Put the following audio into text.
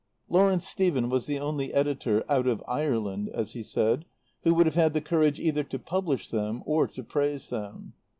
Lawrence Stephen was the only editor "out of Ireland," as he said, who would have had the courage either to publish them or to praise them.